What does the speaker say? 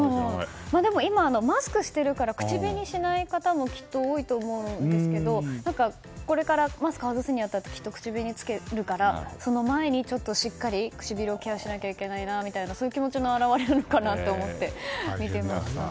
でも今、マスクしてるから口紅しない方もきっと多いと思うんですけどこれからマスク外すに当たってきっと口紅つけるからその前に、ちょっとしっかり唇をケアしなきゃいけないなというそういう気持ちの表れなのかなと思って見ていました。